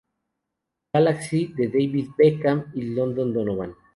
Galaxy de David Beckham y Landon Donovan.